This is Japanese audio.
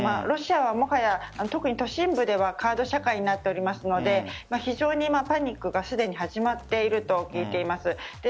ロシアはもはや特に都心部ではカード社会になっていますので非常にパニックがすでに始まっていると聞いています。